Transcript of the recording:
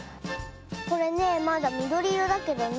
これねまだみどりいろだけどね。